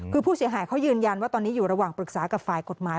คือผู้เสียหายเขายืนยันว่าตอนนี้อยู่ระหว่างปรึกษากับฝ่ายกฎหมาย